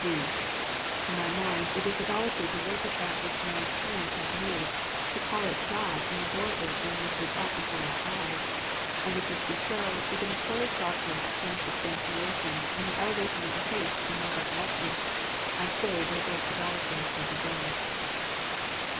(d) To my mind, it is idolatry to worship that which man s hands have made, to call it God, and adore it when lifted up before our eyes. And if this be so, with the notorious doctrine of transubstantiation, and the elevation of the Host in my recol lection, I say there is idolatry in the CJiurcli of Rome.